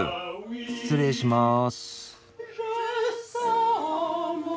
失礼します。